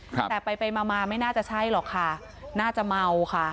แต่ไปไปมามาไม่น่าจะใช่หรอกค่ะน่าจะเมาค่ะ